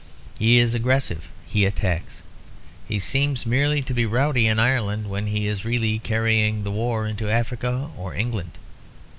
He is aggressive; he attacks. He seems merely to be rowdy in Ireland when he is really carrying the war into Africa or England.